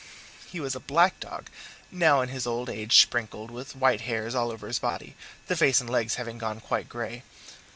He was a black dog, now in his old age sprinkled with white hairs all over his body, the face and legs having gone quite grey.